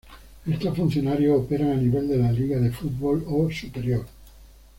Estos funcionarios operan a nivel de la Liga de Fútbol o superior.